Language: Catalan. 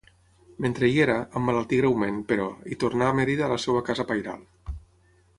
Mentre hi era, emmalaltí greument, però, i tornà a Mérida a la seva casa pairal.